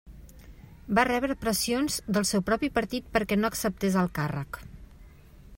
Va rebre pressions del seu propi partit perquè no acceptés el càrrec.